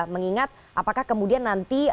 mengingat apakah kemudian nanti